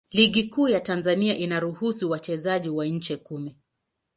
Ligi Kuu ya Tanzania inaruhusu wachezaji wa nje kumi.